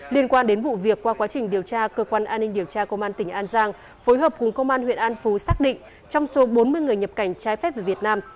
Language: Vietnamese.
liên quan đến vụ việc qua quá trình điều tra cơ quan an ninh điều tra công an tỉnh an giang phối hợp cùng công an huyện an phú xác định trong số bốn mươi người nhập cảnh trái phép về việt nam